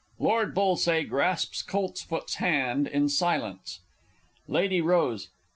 [Lord B. grasps COLTSFOOT'S hand in silence. _Lady Rose.